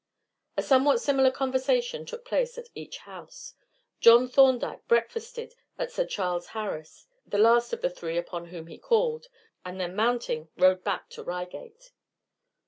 A somewhat similar conversation took place at each house. John Thorndyke breakfasted at Sir Charles Harris', the last of the three upon whom he called, and then mounting rode back to Reigate.